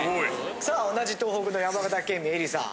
さあ同じ東北の山形県民えりさん